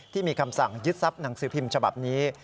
ที่มีคำสั่งยึดทรัพย์หนังสือพิมพ์ฉบับนี้